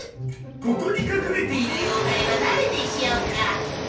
ここに隠れている妖怪は誰でしょうか？